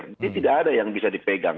jadi tidak ada yang bisa dipegang